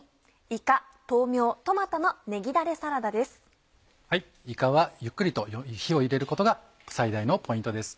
いかはゆっくりと火を入れることが最大のポイントです。